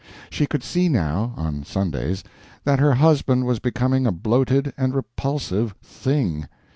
She could see now (on Sundays) that her husband was becoming a bloated and repulsive Thing.